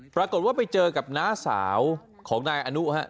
ปรากฏว่าไปเจอกับน้าสาวของนายอนุฮะ